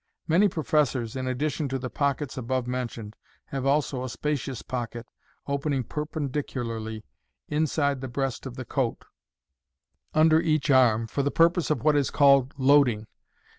Many professors, in addition to the pockets above mentioned, have also a spacious pocket, opening perpendicularly, in side the breast of the coat, under each arm, for the purpose of what is called "loading," i.e.